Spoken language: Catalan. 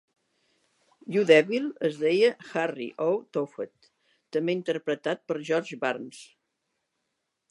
'You Devil' es deia Harry O. Tophet, també interpretat per George Burns.